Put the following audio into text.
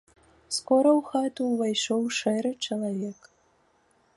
Скора ў хату ўвайшоў шэры чалавек.